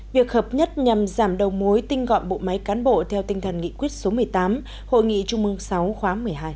việc hợp nhất nhằm giảm đầu mối tinh gọn bộ máy cán bộ theo tinh thần nghị quyết số một mươi tám hội nghị trung mương sáu khóa một mươi hai